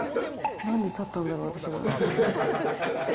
なんで立ったんだろう、私は。